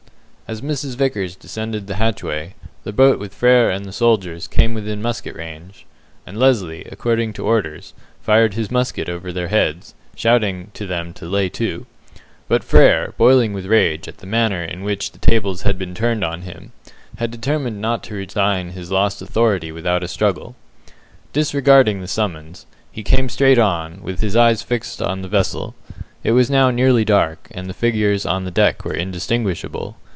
As Mrs. Vickers descended the hatchway, the boat with Frere and the soldiers came within musket range, and Lesly, according to orders, fired his musket over their heads, shouting to them to lay to But Frere, boiling with rage at the manner in which the tables had been turned on him, had determined not to resign his lost authority without a struggle. Disregarding the summons, he came straight on, with his eyes fixed on the vessel. It was now nearly dark, and the figures on the deck were indistinguishable.